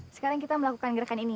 sekarang kita melakukan gerakan ini